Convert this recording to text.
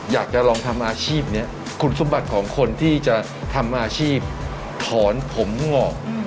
อยากจะลองทำอาชีพนี้คุณสมบัติของคนที่จะทำอาชีพถอนผมงอก